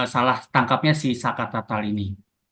salah tangkapnya si sakat tatal ini